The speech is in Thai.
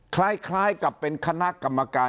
คล้ายกับเป็นคณะกรรมการ